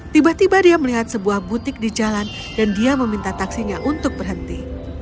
tiba tiba dia melihat sebuah butik di jalan dan dia meminta taksinya untuk berhenti